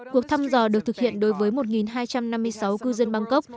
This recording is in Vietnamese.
cuộc thăm dò được thực hiện đối với một hai trăm năm mươi sáu cư dân bangkok